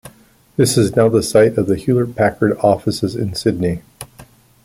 This is now the site of the Hewlett Packard offices in Sydney.